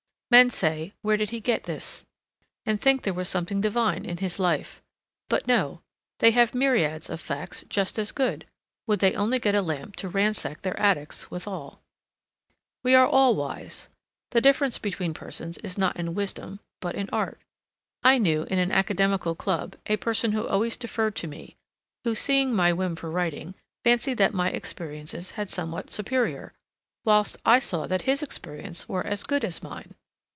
Men say, Where did he get this? and think there was something divine in his life. But no; they have myriads of facts just as good, would they only get a lamp to ransack their attics withal. We are all wise. The difference between persons is not in wisdom but in art. I knew, in an academical club, a person who always deferred to me; who, seeing my whim for writing, fancied that my experiences had somewhat superior; whilst I saw that his experiences were as good as mine.